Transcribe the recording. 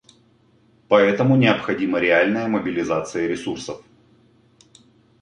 Поэтому необходима реальная мобилизация ресурсов.